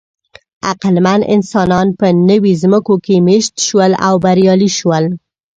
عقلمن انسانان په نوې ځمکو کې مېشت شول او بریالي شول.